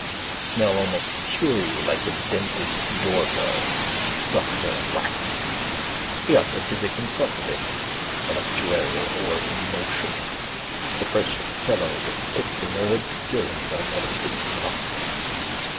Smell almost cure you like the dentist's doorbell. Doctor Whack. He ought to physic himself a bit. Electuary or emulsion. The first fellow that picked an herb to cure himself had a bit of pluck.